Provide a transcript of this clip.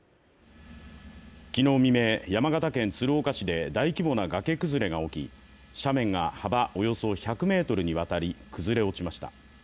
昨日未明、山形県鶴岡市で大規模な崖崩れが起き斜面が幅およそ１００ｍにわたり崩れ落ちました。